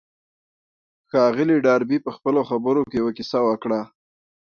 ښاغلي ډاربي په خپلو خبرو کې يوه کيسه وکړه.